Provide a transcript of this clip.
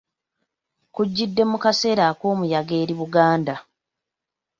Kujjidde mu kaseera ak'omuyaga eri Buganda